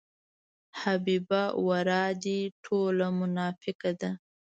حبیبه ورا دې ټوله مناپیکه ده.